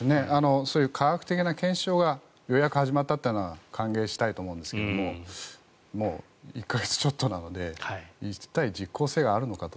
そういう科学的な検証がようやく始まったというのは歓迎したいと思うんですがもう１か月ちょっとなので一体、実効性があるのかと。